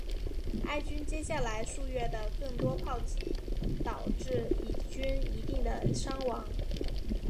埃军接下来数月的更多炮击导致以军一定的伤亡。